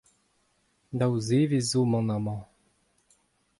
Daou zevezh zo emaon amañ.